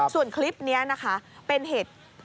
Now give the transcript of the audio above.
ส่วนคลิปนี้นะคะเป็นเหตุ